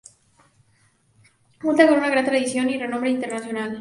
Cuenta con una gran tradición y renombre internacional.